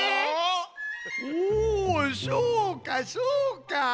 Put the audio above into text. おおそうかそうか！